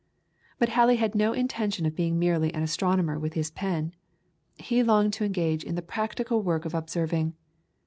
But Halley had no intention of being merely an astronomer with his pen. He longed to engage in the practical work of observing.